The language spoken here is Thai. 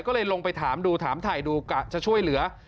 ก็เลยลงไปถามดูถามถ่ายดูกะจะช่วยเหลือ